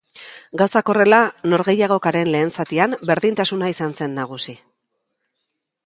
Gauzak horrela, norgehiagokaren lehen zatian berdintasuna izan zen nagusi.